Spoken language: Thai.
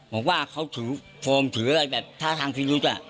บอกว่าเขาถือโฟมถือแบบท่าทางฟิรุนต์อ่ะ